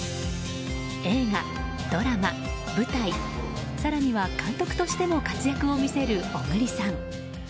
映画、ドラマ、舞台更には監督しても活躍を見せる小栗さん。